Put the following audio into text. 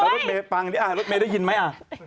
รถเมล์ฟังอันนี้อ่ารถเมล์ได้ยินไหม